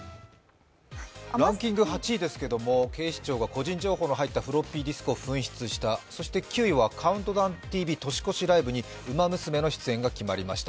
ランキング８位ですけれども警視庁が個人情報の入ったフロッピーディスクを紛失した、そして９位は「ＣＤＴＶ年越しライブ」にウマ娘の出演が決まりました。